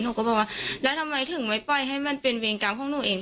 ก็บอกว่าแล้วทำไมถึงไม่ปล่อยให้มันเป็นเวรกรรมของหนูเอง